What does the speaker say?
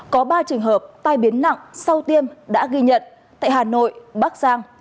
có ba trường hợp tai biến nặng sau tiêm đã ghi nhận tại hà nội bắc giang